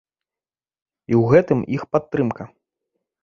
І ў гэтым іх падтрымка.